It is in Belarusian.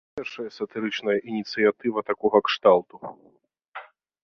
Гэта не першая сатырычная ініцыятыва такога кшталту.